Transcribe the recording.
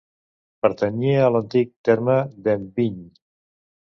Pertanyia a l'antic terme d'Enviny.